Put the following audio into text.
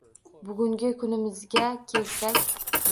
Bugungi kunimizga kelsak...